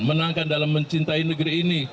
menangkan dalam mencintai negeri ini